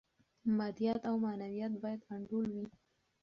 مادیات او معنویات باید انډول وي.